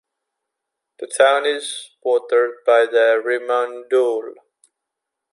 The town is watered by the Rimandoule.